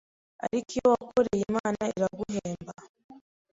Ariko iyo wakoreye Imana iraguhemba